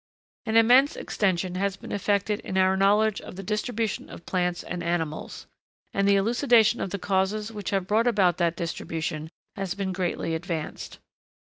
[Sidenote: Scientific exploration.] An immense extension has been effected in our knowledge of the distribution of plants and animals; and the elucidation of the causes which have brought about that distribution has been greatly advanced.